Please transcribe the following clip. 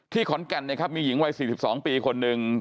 ที่ขอนแก่นนะครับมีหญิงวัยสี่สิบสองปีคนหนึ่ง